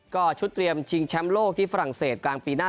ก็ชุดเตรียมชิงแชมป์โลกที่ฝรั่งเศสกลางปีหน้า